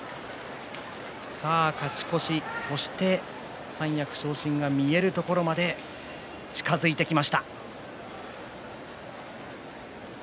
勝ち越し、そして三役昇進が見えるところまで近づいてきました。